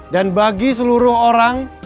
dan bagi seluruh orang